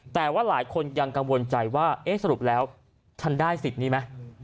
แต่ว่าหลายคนยังกังวลใจว่าเอ๊ะสรุปแล้วท่านได้สิทธิ์นี้ไหม